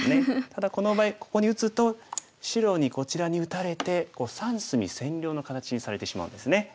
ただこの場合ここに打つと白にこちらに打たれて三隅占領の形にされてしまうんですね。